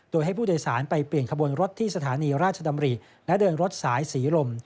โดยให้ผู้โดยสารไปเปลี่ยนขบวนรถที่สถานีราชดำริและเดินรถสายสีลม